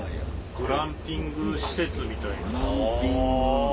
グランピング施設みたいな。